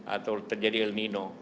atau terjadi elnino